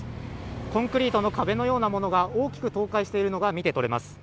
コンクリートの壁のようなものが大きく倒壊しているのが見てとれます。